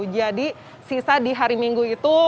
jadi sisa di hari minggu itu